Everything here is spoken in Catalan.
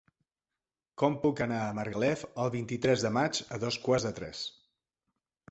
Com puc anar a Margalef el vint-i-tres de maig a dos quarts de tres?